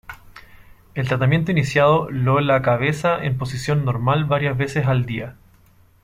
El tratamiento iniciado lo la cabeza en posición normal varias veces al día.